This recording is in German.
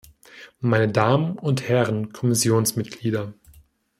Meine Damen und Herren Kommissionsmitglieder!